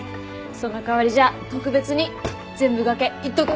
その代わりじゃあ特別に全部がけいっとく？